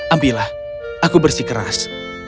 ambillah aku bersikeras